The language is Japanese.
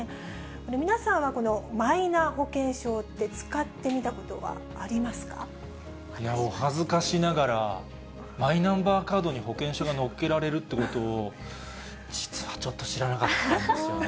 皆さんはこのマイナ保険証って、お恥ずかしながら、マイナンバーカードに、保険証がのっけられるということを、実はちょっと知らなかったんですよね。